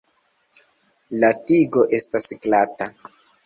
La tigo estas glata.